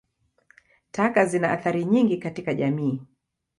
Taka zina athari nyingi katika jamii.